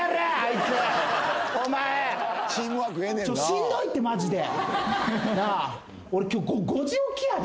しんどいってマジで。なあ？